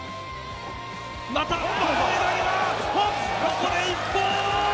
ここで一本。